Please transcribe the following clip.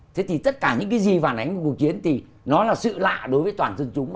thế thì tất cả những cái gì phản ánh của cuộc chiến thì nó là sự lạ đối với toàn dân chúng